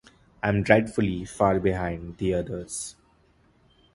I’m dreadfully far behind the others.